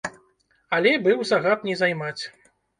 Але быў загад не займаць.